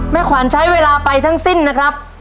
ขวัญใช้เวลาไปทั้งสิ้นนะครับ